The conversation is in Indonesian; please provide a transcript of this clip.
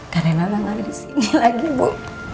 karena nona gak ada disini lagi bu